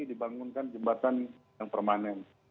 dibangunkan jembatan yang permanen